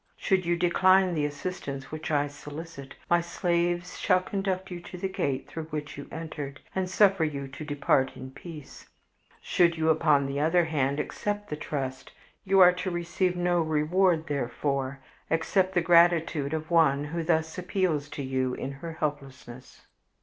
Should you decline the assistance which I solicit, my slaves shall conduct you to the gate through which you entered, and suffer you to depart in peace. Should you, upon the other hand, accept the trust, you are to receive no reward therefor, except the gratitude of one who thus appeals to you in her helplessness."